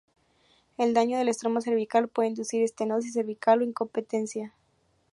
El daño al estroma cervical puede inducir estenosis cervical o incompetencia.